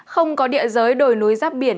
không có địa giới đổi núi giáp biển